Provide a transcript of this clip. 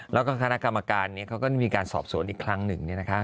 แล้วก็คณะกรรมการเขาก็มีการสอบสวนอีกครั้งหนึ่ง